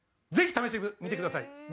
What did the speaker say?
ぜひ試してみてください。